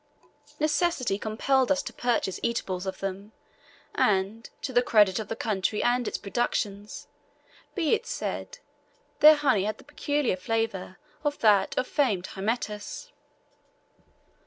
Necessity compelled us to purchase eatables of them, and, to the credit of the country and its productions, be it said, their honey had the peculiar flavour of that of famed Hymettus.